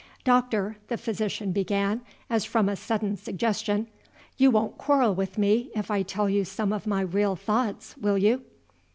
"Doctor," the physician began, as from a sudden suggestion, "you won't quarrel with me, if I tell you some of my real thoughts, will you?"